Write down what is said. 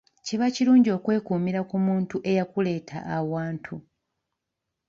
Kiba kirungi okwekuumira ku muntu eyakuleeta awantu.